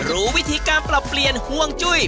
รู้วิธีการปรับเปลี่ยนห่วงจุ้ย